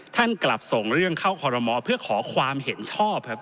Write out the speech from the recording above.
ท่านกลับส่งเรื่องเข้าคอรมอเพื่อขอความเห็นชอบครับ